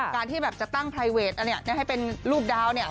การที่แบบจะตั้งไพรเวทอันนี้ให้เป็นรูปดาวเนี่ย